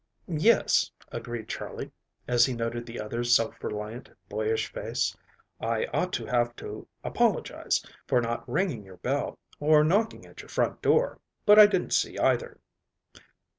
"Yes," agreed Charley, as he noted the other's self reliant, boyish face. "I ought to have to apologize for not ringing your bell, or knocking at your front door, but I didn't see either."